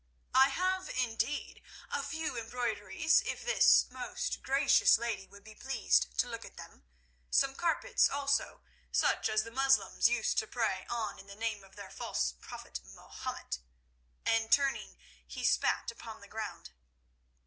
"I have indeed; a few embroideries if this most gracious lady would be pleased to look at them. Some carpets also, such as the Moslems used to pray on in the name of their false prophet, Mahomet," and, turning, he spat upon the ground.